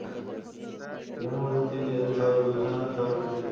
যেখানে তিনি যেতেন, সহজেই বন্ধুসুলভ আচরণের মাধ্যমে সবার সঙ্গে মিশে যেতেন।